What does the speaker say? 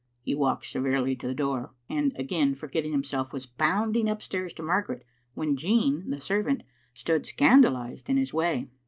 He walked severely to the door, and, again forgetting himself, was bounding upstairs to Margaret, when Jean, the servant, stood scandalised in his way.